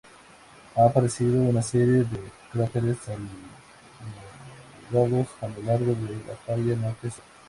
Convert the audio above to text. Han aparecido una serie de cráteres alargados a lo largo de la falla norte-sur.